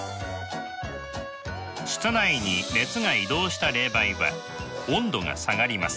室内に熱が移動した冷媒は温度が下がります。